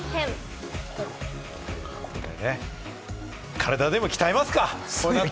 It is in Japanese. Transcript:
体でも鍛えますか！